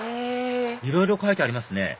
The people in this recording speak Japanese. いろいろ書いてありますね